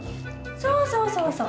そうそうそうそう